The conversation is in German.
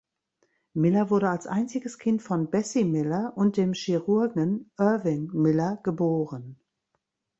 Miller wurde als einziges Kind von Bessie Miller und dem Chirurgen Irving Miller geboren.